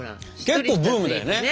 結構ブームだよね。